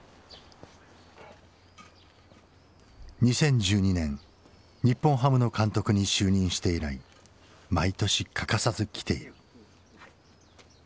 ２０１２年日本ハムの監督に就任して以来毎年欠かさず来ている。